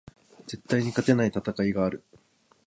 絶対に勝てない戦いがある